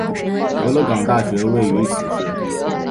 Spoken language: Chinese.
俄勒冈大学位于此市。